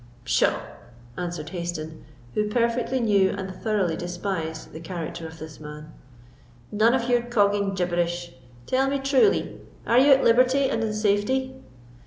"Pshaw!" answered Hayston, who perfectly knew and thoroughly despised the character of this man, "none of your cogging gibberish; tell me truly, are you at liberty and in safety?"